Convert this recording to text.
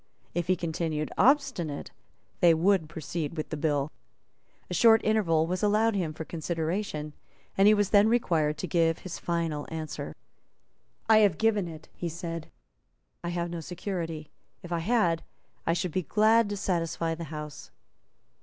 If he continued obstinate, they would proceed with the bill. A short interval was allowed him for consideration; and he was then required to give his final answer. "I have given it," he said; "I have no security. If I had, I should be glad to satisfy the House."